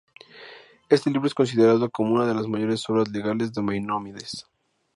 Este libro es considerado como una de las mayores obras legales de Maimónides.